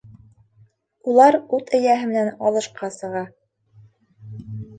Улар ут эйәһе менән алышҡа сыға.